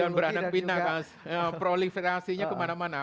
dan beranak pinak proliferasinya kemana mana